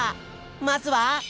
まずは。